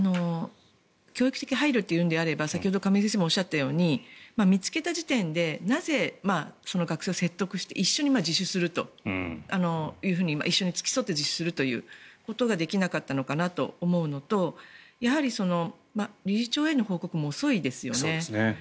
教育的配慮というのであれば先ほど亀井先生もおっしゃったように見つけた事件でなぜ、その学生を説得して一緒に自首すると一緒に付き添って自首するということができなかったのかなと思うのと理事長への報告も遅いですよね。